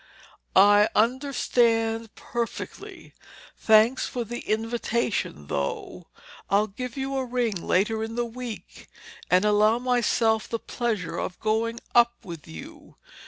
"I understand perfectly. Thanks for the invitation, though. I'll give you a ring later in the week and allow myself the pleasure of going up with you.